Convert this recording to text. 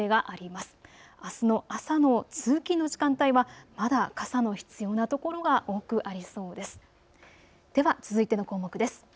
あすの朝の通勤の時間帯はまだ傘の必要なところが多くありそうです。